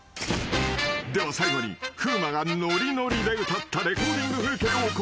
［では最後に風磨がノリノリで歌ったレコーディング風景を公開］